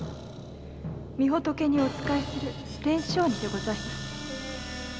み仏にお仕えする蓮祥尼でございます